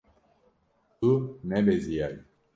Tu nebeziyayî.